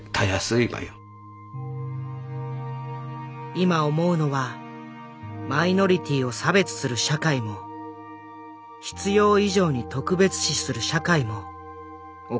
今思うのはマイノリティーを差別する社会も必要以上に特別視する社会もおかしいという事。